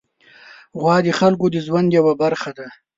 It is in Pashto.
غوا د خلکو د ژوند یوه برخه ده.